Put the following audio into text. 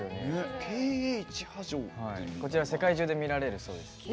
こちらは世界中で見られるそうです。